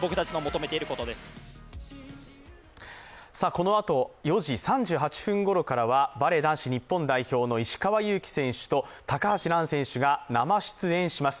このあと４時３８分ごろからはバレー男子日本代表の石川祐希選手と高橋藍選手が生出演します。